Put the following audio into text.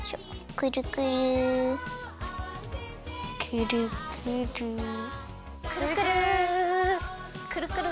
くるくるくるくるくるくるくるくる。